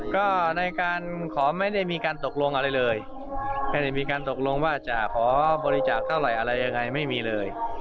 ก็ในการขอไม่ได้มีการตกลงอะไรเลยไม่ได้มีการตกลงว่าจะขอบริจาคเท่าไหร่อะไรยังไงไม่มีเลย